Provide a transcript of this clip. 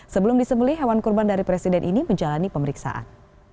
sebelum disembeli hewan kurban dari presiden ini menjalani pemeriksaan